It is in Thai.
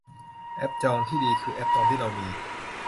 แอปจองที่ดีคือแอปจองที่เรามี